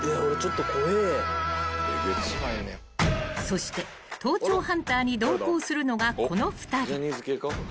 ［そして盗聴ハンターに同行するのがこの２人］